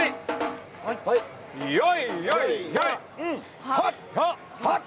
よいよいよい！